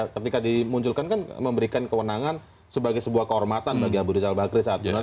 ketika dimunculkan kan memberikan kewenangan sebagai sebuah kehormatan bagi abu rizal bakri saat itu